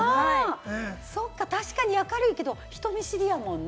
そうか、確かに明るいけれども人見知りやもんな。